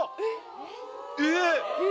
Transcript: えっ！